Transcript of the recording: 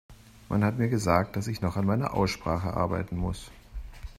Man hat mir gesagt, dass ich noch an meiner Aussprache arbeiten muss.